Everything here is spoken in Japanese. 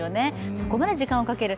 そこまで時間をかける。